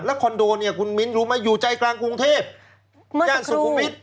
แล้วคอนโดเนี้ยคุณมิ้นรู้มาอยู่ใจกลางกรุงเทพแล้วสุคุมวิท